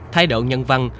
thái độ nhân văn